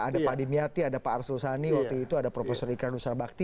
ada pak dimiati ada pak arsul sani waktu itu ada prof rikardus sarbakti